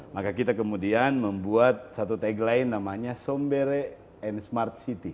maka kita kemudian membuat satu tagline namanya sombere and smart city